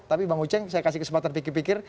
tapi bang uceng saya kasih kesempatan pikir pikir